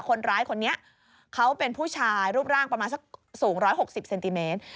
คนร้ายคนนี้เขาเป็นผู้ชายรูปร่างประมาณสักสูง๑๖๐เซนติเมตร